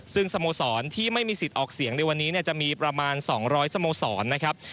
ซึ่งสโมสรที่ไม่มีสิทธิ์ออกเสียงในวันนี้จะมีประมาณ๒๐๐สโมสรนะครับ